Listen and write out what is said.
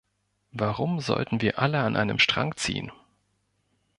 Warum sollten wir alle an einem Strang ziehen?